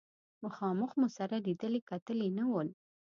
مخامخ مو سره لیدلي کتلي نه ول.